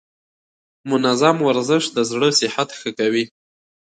منظم ورزش د زړه صحت ښه کوي.